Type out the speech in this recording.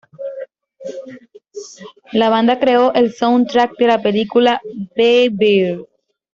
La banda creó el soundtrack de la película "Bae Bear".